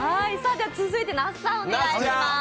続いて那須さんお願いします。